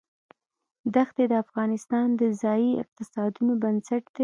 دښتې د افغانستان د ځایي اقتصادونو بنسټ دی.